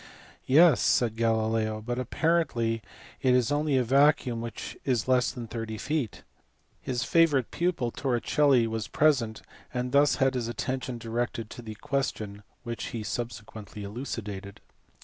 Yes, said Galileo, but apparently it is only a vacuum which is less than thirty feet. His favourite pupil Torricelli was present, and thus had his attention directed to the question which he subsequently elucidated.